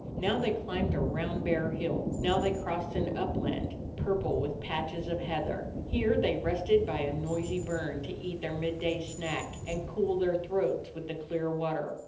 Now they climbed a round bare hill; now they crossed an upland, purple with patches of heather. Here they rested by a noisy burn to eat their midday snack and cool their throats with the clear water.